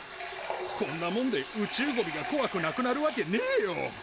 こんなもんで宇宙ゴミがこわくなくなるわけねえよ。